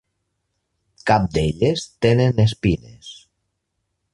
Cap d'elles tenen espines.